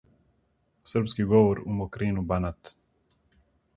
српски говор у Мокрину Банат